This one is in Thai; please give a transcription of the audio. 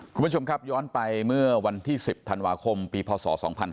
คุณผู้ชมครับย้อนไปเมื่อวันที่๑๐ธันวาคมปีพศ๒๕๕๙